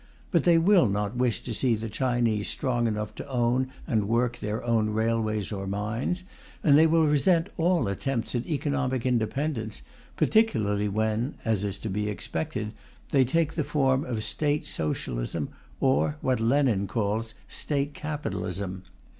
But they will not wish to see the Chinese strong enough to own and work their own railways or mines, and they will resent all attempts at economic independence, particularly when (as is to be expected) they take the form of State Socialism, or what Lenin calls State Capitalism.